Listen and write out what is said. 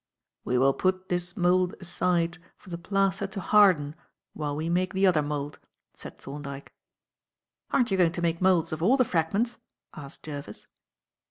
"We will put this mould aside for the plaster to harden while we make the other mould," said Thorndyke. "Aren't you going to make moulds of all the fragments?" asked Jervis.